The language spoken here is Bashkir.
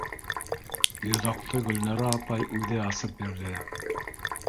Йоҙаҡты Гөлнара апай үҙе асып бирҙе.